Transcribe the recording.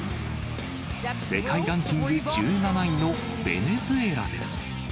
世界ランキング１７位のベネズエラです。